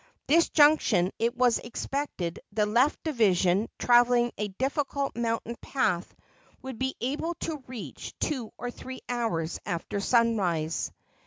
This junction it was expected the left division, traveling a difficult mountain path, would be able to reach two or three hours after sunrise.